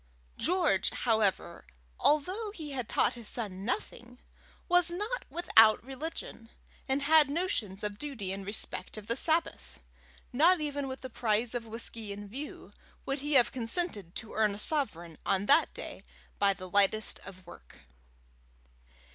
George, however, although he had taught his son nothing, was not without religion, and had notions of duty in respect of the Sabbath. Not even with the prize of whisky in view, would he have consented to earn a sovereign on that day by the lightest of work.